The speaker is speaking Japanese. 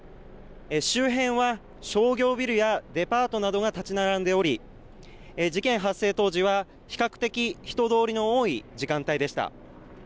周辺は商業ビルやデパートなどが立ち並んでおり事件発生当時は比較的人通りの多い時間帯でした。